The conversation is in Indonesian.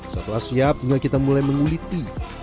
setelah siap juga kita mulai menguliti